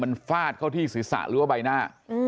มันฟาดเข้าที่ศิษย์ศาสตร์หรือว่าใบหน้า